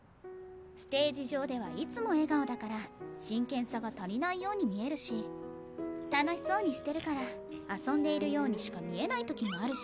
ステージ上ではいつも笑顔だから真剣さが足りないように見えるし楽しそうにしてるから遊んでいるようにしか見えない時もあるし。